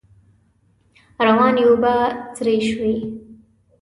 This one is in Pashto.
روانې اوبه سرې شوې.